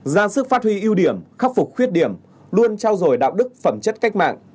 ra sức phát huy ưu điểm khắc phục khuyết điểm luôn trao dồi đạo đức phẩm chất cách mạng